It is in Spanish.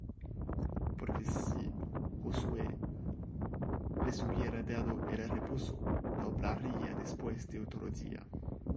Porque si Josué les hubiera dado el reposo, no hablaría después de otro día.